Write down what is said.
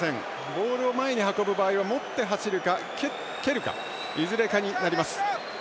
ボールを前に運ぶ場合は持って走るか、蹴るかのいずれかになります。